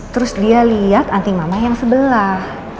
terus dia liat anting mama yang sebelah